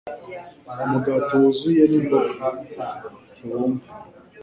umugati wuzuye, n’imboga. Ntibumva